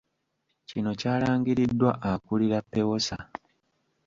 Kino kyalangiriddwa akulira PEWOSA.